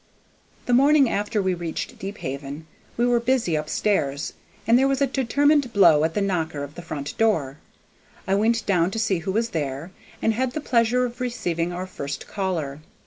The morning after we reached Deephaven we were busy up stairs, and there was a determined blow at the knocker of the front door. I went down to see who was there, and had the pleasure of receiving our first caller.